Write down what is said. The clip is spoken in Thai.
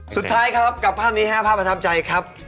สุดท้ายครับกับภาพนี้ครับภาพประทับใจครับ